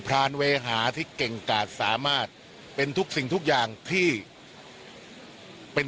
รานเวหาที่เก่งกาดสามารถเป็นทุกสิ่งทุกอย่างที่เป็น